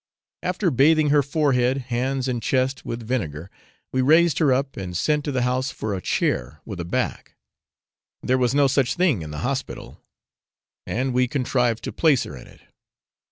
After bathing her forehead, hands, and chest with vinegar, we raised her up, and I sent to the house for a chair with a back (there was no such thing in the hospital,) and we contrived to place her in it.